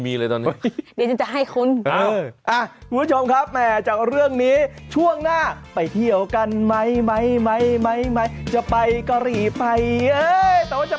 นี่ที่รู้สึกว่าจะด้อง